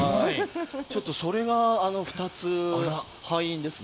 ちょっとそれが２つ敗因ですね。